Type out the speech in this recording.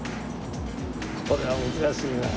これは難しいな。